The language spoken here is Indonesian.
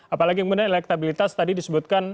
apalagi elektabilitas tadi disebutkan